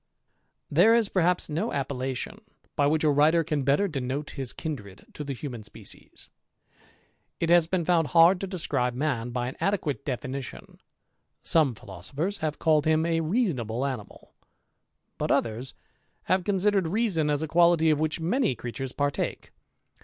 There is perhaps no appellation by which a writer can *^tter denote his kindred to the human species. It has "^en found hard to describe man by an adequate definition. ^oixie philosophers have called him a reasonable animal; ^^t others have considered reason as a quality of which '^any creatures partake.